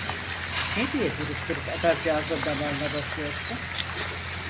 Ne diye durup durup adamcağızın damarına basıyorsun!